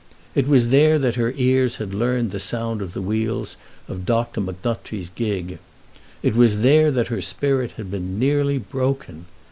It was there that her ears had learned the sound of the wheels of Dr. Macnuthrie's gig. It was there that her spirit had been nearly broken.